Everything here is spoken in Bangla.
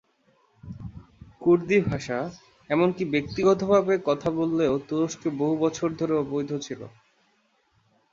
কুর্দি ভাষা, এমনকি ব্যক্তিগতভাবে কথা বললেও, তুরস্কে বহু বছর ধরে অবৈধ ছিল।